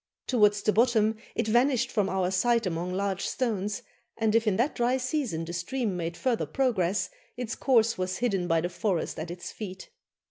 Towards the bottom it vanished from our sight among large stones, and if in that dry season the stream made further progress, its course was hidden by the forest at its feet.